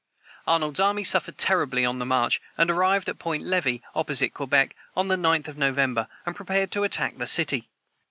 Arnold's army suffered terribly on the march, and arrived at Point Levi, opposite Quebec, on the 9th of November, and prepared to attack the city.